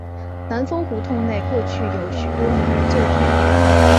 南丰胡同内过去有许多名人旧居。